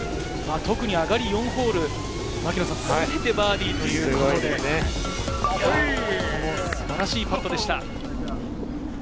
特に上がり４ホール、全てバーディーということで、素晴らしいパットでした。